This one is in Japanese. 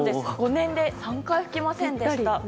５年で３回吹きませんでした。